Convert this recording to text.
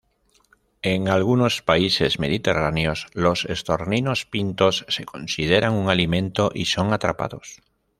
En algunos países mediterráneos los estorninos pintos se consideran un alimento y son atrapados.